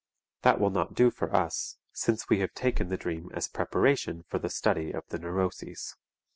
That will not do for us, since we have taken the dream as preparation for the study of the neuroses.